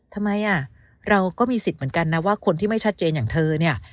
ทำไมอ่ะเราก็มีสิทธิ์เหมือนกันนะว่าคนที่ไม่ชัดเจนอย่างเธอเนี่ย